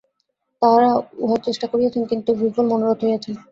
তাঁহারা উহার চেষ্টা করিয়াছেন, কিন্তু বিফলমনোরথ হইয়াছেন।